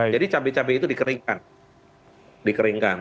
jadi cabai cabai itu dikeringkan